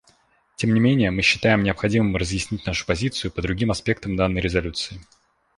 Тем не менее, мы считаем необходимым разъяснить нашу позицию по другим аспектам данной резолюции.